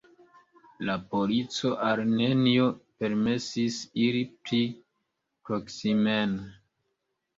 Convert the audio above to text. La polico al neniu permesis iri pli proksimen.